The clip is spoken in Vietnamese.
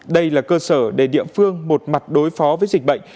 đây là cơ sở để địa phương một mặt đối phó với dịch bệnh